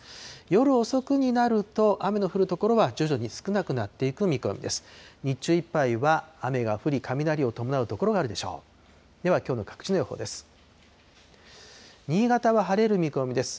夜遅くになると、雨の降る所は徐々に少なくなっていく見込みです。